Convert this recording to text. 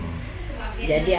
tapi kemudian di rumah